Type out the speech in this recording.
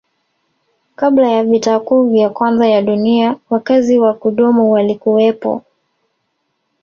Kabla ya vita kuu ya kwanza ya Dunia wakazi wa kudumu walikuwepo